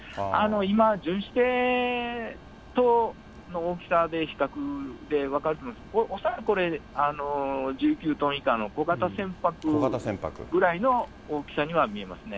今、巡視艇との大きさで比較で分かると思いますが、恐らくこれ、１９トン以下の小型船舶ぐらいの大きさには見えますね。